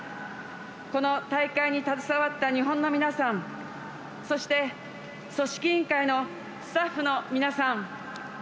この大会に携わった日本の皆さんそして組織委員会のスタッフの皆さん。